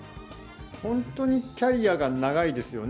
本当にキャリアが長いですよね。